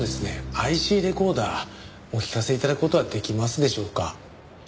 ＩＣレコーダーお聞かせ頂く事はできますでしょうか？